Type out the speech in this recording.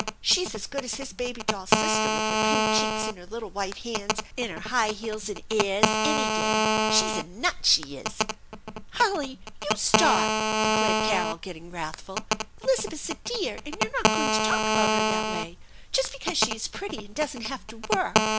She's as good as his baby doll sister with her pink cheeks, and her little white hands, and her high heels and airs, any day ! She's a nut, she is." " Harley ! You stop !" declared Carol, getting wrathful. " Elizabeth's a dear, and you're not going to talk about her that way. Just betause she is pretty and doesn't have to work."